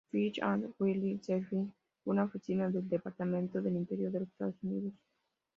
Fish and Wildlife Service, una oficina del Departamento de Interior de los Estados Unidos.